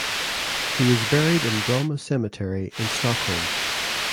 He is buried in Bromma Cemetery in Stockholm.